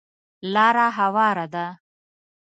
لاره هواره ده .